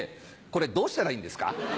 これどうしたらいいんですか？